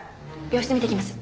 病室見てきます。